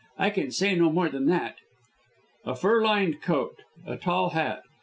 I can say no more than that." A fur lined coat, a tall hat.